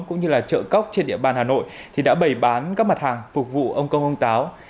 chợ cóc trên địa bàn hà nội thì đã bày bán các mặt hàng phục vụ ông công ông táo